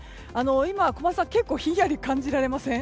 今、小松さん結構ひんやり感じられません？